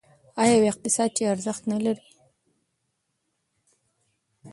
آیا یو اقتصاد چې ارزښت نلري؟